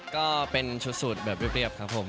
ก็เป็นชุดแบบเรียบครับผม